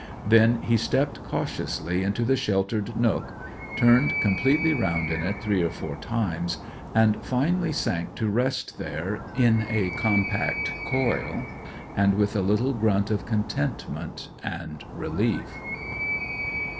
Then he stepped cautiously into the sheltered nook, turned completely round in it three or four times, and finally sank to rest there in a compact coil, and with a little grunt of contentment and relief.